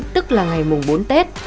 tức là ngày mùng bốn tết